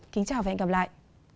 kính chào và hẹn gặp lại